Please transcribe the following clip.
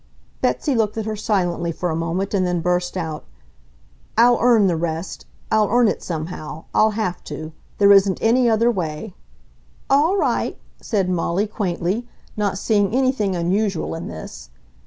Betsy looked at her silently for a moment and then burst out, "I'll earn the rest! I'll earn it somehow! I'll have to! There isn't any other way!" "All right," said Molly quaintly, not seeing anything unusual in this.